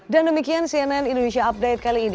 dan demikian cnn indonesia update kali ini